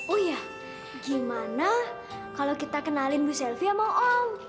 oh ya gimana kalo kita kenalin bu selfie sama om